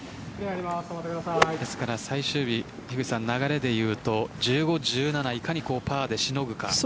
最終日、流れで言うと１５、１７をいかにパーでしのぐか。